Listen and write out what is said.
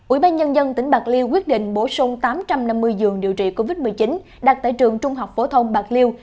ủy ban nhân dân tỉnh bạc liêu quyết định bổ sung tám trăm năm mươi giường điều trị covid một mươi chín đặt tại trường trung học phổ thông bạc liêu